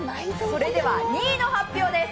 それでは２位の発表です。